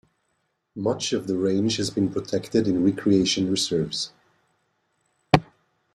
Much of the range has been protected in recreation reserves.